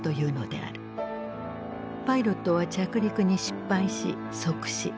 パイロットは着陸に失敗し即死。